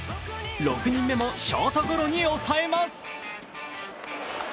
６人目もショートゴロに抑えます。